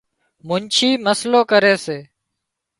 منڇي مسئلو ڪري سي